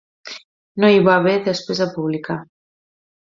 No hi va haver despesa pública.